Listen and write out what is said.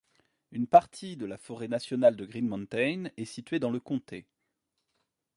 Une partie de la Forêt nationale de Green Mountain est située dans le comté.